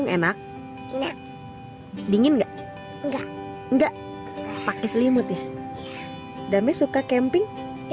enak ya dingin enggak enggak enggak pakai selimut ya damai suka camping